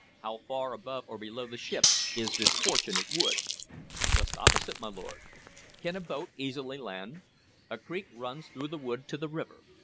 "How far above or below the ship is this fortunate wood?" "Just opposite, my lord." "Can a boat land easily?" "A creek runs through the wood to the river.